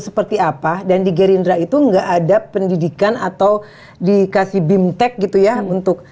seperti apa dan di gerindra itu enggak ada pendidikan atau dikasih bimtek gitu ya untuk